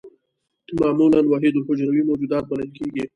معمولاً وحیدالحجروي موجودات بلل کېږي.